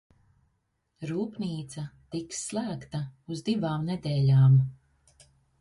R?pn?ca tiks sl?gta uz div?m ned???m.